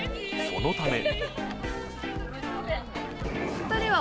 そのため。